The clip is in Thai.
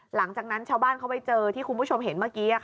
หลังจากนั้นชาวบ้านเขาไปเจอที่คุณผู้ชมเห็นเมื่อกี้